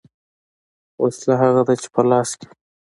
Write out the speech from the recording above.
ـ وسله هغه ده چې په لاس کې وي .